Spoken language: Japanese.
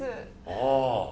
ああ。